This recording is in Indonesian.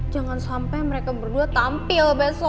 jangan sampai mereka berdua tampil besok